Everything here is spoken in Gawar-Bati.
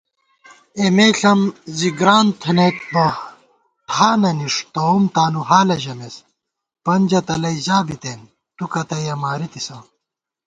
اېمےݪم زی گران تھنَئیت بہ ٹھانہ نِݭ تؤم تانُوحالہ ژمېس * پنجہ تلَئ ژا بِتېن تُو کتّیَہ مارِتِسہ